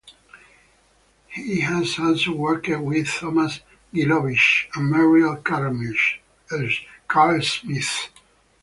He has also worked with Thomas Gilovich and Merrill Carlsmith.